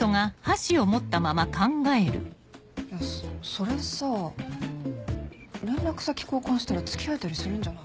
それさ連絡先交換したら付き合えたりするんじゃない？